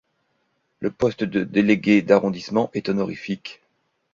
Le poste de délégué d'arrondissement est honorifique.